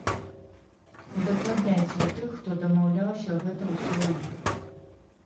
Удакладняйце ў тых, хто дамаўляўся, гэта ўсё ў іх.